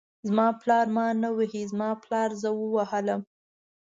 زما پالر ما نه وهي، زما پالر زه ووهلم.